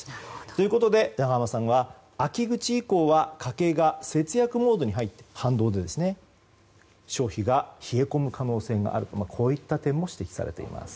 ということで、永濱さんは秋口以降は家計が反動で節約モードに入って消費が冷え込む可能性があるという点も指摘されています。